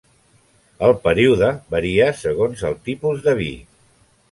El període varia segons el tipus de vi.